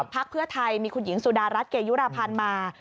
พักเพื่อไทยมีคุณหญิงสุดารัฐเกยุราพันธ์มา